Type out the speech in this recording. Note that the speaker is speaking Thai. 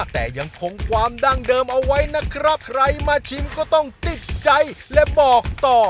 แต่ยังคงความดั้งเดิมเอาไว้นะครับใครมาชิมก็ต้องติดใจและบอกต่อ